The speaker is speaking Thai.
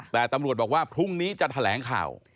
แต่ตำรวจบอกว่าพรุ่งนี้จะแถลงข่าว